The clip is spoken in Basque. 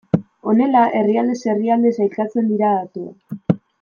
Honela herrialdez herrialde sailkatzen dira datuak.